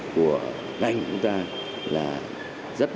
của ngành của chúng ta